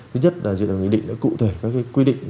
thứ nhất là dự thảo nghị định đã cụ thể các quy định